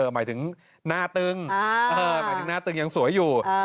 หมายถึงหน้าตึงหมายถึงหน้าตึงยังสวยอยู่